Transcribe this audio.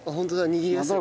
握りやすい。